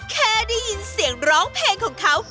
แค่ได้ยินเสียงร้องเพลงของเขา